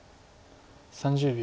３０秒。